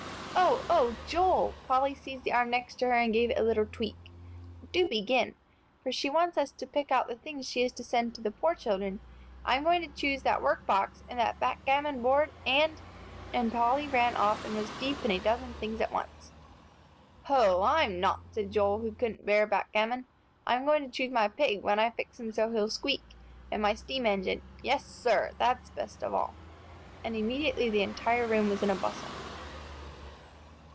"Oh, oh, Joel," Polly seized the arm next to her and gave it a little tweak, "do begin, for she wants us to pick out the things she is to send to the poor children. I'm going to choose that work box, and that backgammon board, and " and Polly ran off and was deep in a dozen things at once. "Hoh, I'm not," said Joel, who couldn't bear backgammon; "I'm going to choose my pig, when I fix him so he'll squeak, and my steam engine. Yes, sir! that's the best of all." And immediately the entire room was in a bustle.